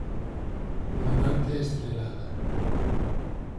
Unha noite estrelada.